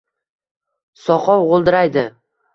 Soqov g’o’ldiraydi